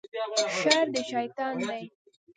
شر د شیطان دی